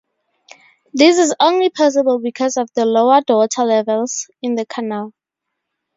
This is only possible because of the lowered water levels in the canal.